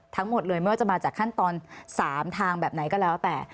ทั้งหมดเลยไม่ว่าจะมาจากขั้นตอน๓ทางแบบไหนก็แล้วแต่